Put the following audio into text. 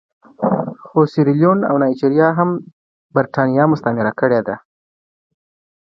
خو سیریلیون او نایجیریا هم برېټانیا مستعمره کړي دي.